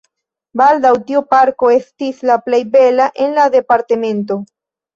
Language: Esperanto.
Baldaŭ tiu parko estis la plej bela en la departemento.